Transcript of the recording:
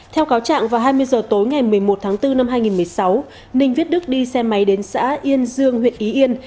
theo cáo trạng vào hai mươi h tối ngày một mươi một tháng bốn năm hai nghìn một mươi sáu ninh viết đức đi xe máy đến xã yên dương huyện y yên